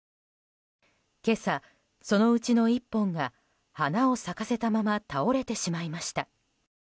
今朝、そのうちの１本が花を咲かせたまま倒れてしまいました。